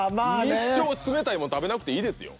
一生冷たいもん食べなくていいですよ。